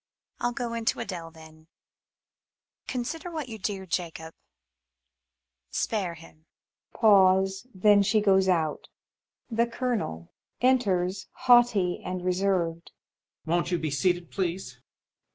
MuMMT. I'll go in to AdMe, then [Patue] Consider what you do, Jacob ! Spare him [Pause; then she goes otd. Colonel. [Enters, haughty and reserved] Won't you be seated, please?